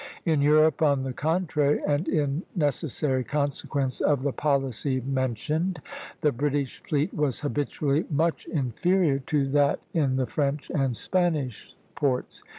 In Europe, on the contrary, and in necessary consequence of the policy mentioned, the British fleet was habitually much inferior to that in the French and Spanish ports.